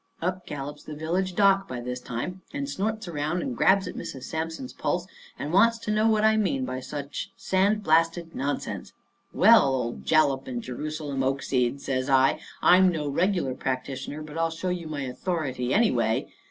Up gallops the village doc by this time, and snorts around, and grabs at Mrs. Sampson's pulse, and wants to know what I mean by any such sandblasted nonsense. "Well, old Jalap and Jerusalem oakseed," says I, "I'm no regular practitioner, but I'll show you my authority, anyway."